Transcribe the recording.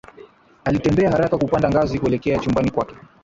Alitembea haraka kupanda ngazi kuelekea chumbani kwake